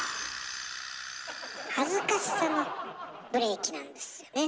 恥ずかしさのブレーキなんですよね。